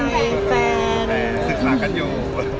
รู้สึกฐากันอยู่